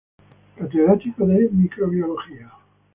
Catedrático de Microbiología.